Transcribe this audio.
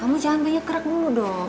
kamu jangan banyak kerak dulu dong